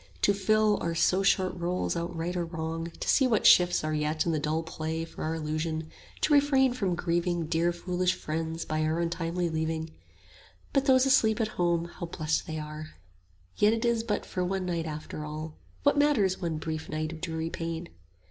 To fill our so short roles out right or wrong; To see what shifts are yet in the dull play 25 For our illusion; to refrain from grieving Dear foolish friends by our untimely leaving: But those asleep at home, how blest are they! Yet it is but for one night after all: What matters one brief night of dreary pain?